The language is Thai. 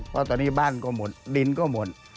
เพราะตอนนี้บ้านก็หมดดินก็หมด